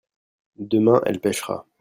demain elle pêchera.